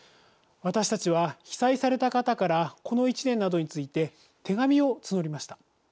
私たちは被災された方からこの１年などについて手紙を募りました。